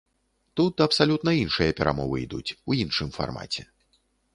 Тут абсалютна іншыя перамовы ідуць, у іншым фармаце.